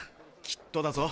きっとだぞ。